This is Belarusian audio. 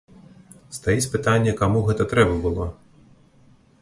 Стаіць пытанне, каму гэта трэба было.